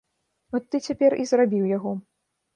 От ты цяпер і зарабіў яго.